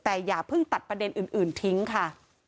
แต่อย่าเพิ่งตัดประเด็นอื่นทิ้งค่ะ